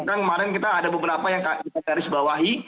kemarin kita ada beberapa yang kita taris bawahi